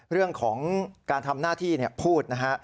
เรื่องของการทำหน้าที่พูดนะฮะ